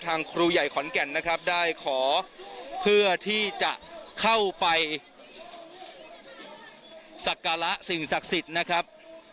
ครูใหญ่ขอนแก่นนะครับได้ขอเพื่อที่จะเข้าไปสักการะสิ่งศักดิ์สิทธิ์นะครับ